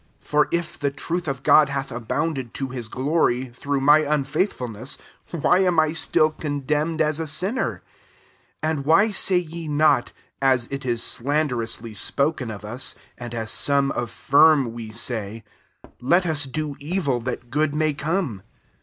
7 " For if the troth of Grod hath ' abounded to his glory, through my un&ithful ness, why am I still condemned as a sinner?" 8 "And why say ye not, (as it is slanderously spok en of us, ap^ as some affirm we say,) 'Let us do evil, that good may come